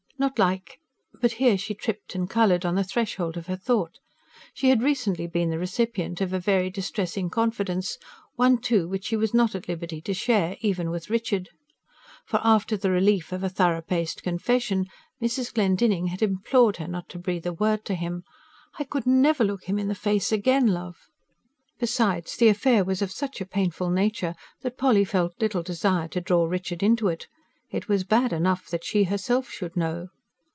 Not like but here she tripped and coloured, on the threshold of her thought. She had recently been the recipient of a very distressing confidence; one, too, which she was not at liberty to share, even with Richard. For, after the relief of a thorough paced confession, Mrs. Glendinning had implored her not to breathe a word to him "I could never look him in the face again, love!" Besides, the affair was of such a painful nature that Polly felt little desire to draw Richard into it; it was bad enough that she herself should know.